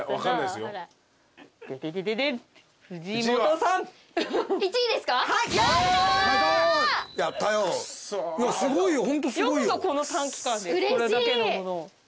よくぞこの短期間でこれだけのものを。